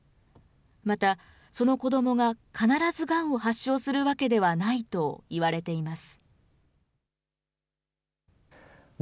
また、その子どもが必ずがんを発症するわけではないといわれています。